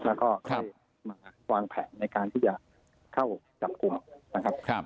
แล้วก็วางแผนในการที่จะเข้าจับคุมครับ